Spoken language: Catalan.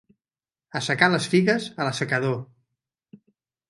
Assecar les figues a l'assecador.